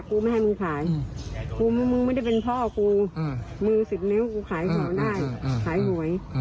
กูไม่ให้มึงขายกูมึงไม่ได้เป็นพ่อกูมือ๑๐นิ้วกูขายของได้ขายหวย